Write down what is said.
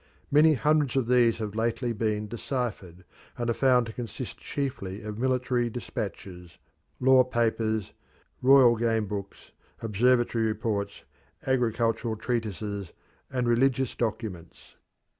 Many hundreds of these have lately been deciphered, and are found to consist chiefly of military dispatches, law papers, royal game books, observatory reports, agricultural treatises, and religious documents.